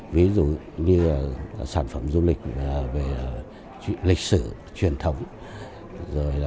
ví dụ như sản phẩm du lịch về lịch sử truyền thống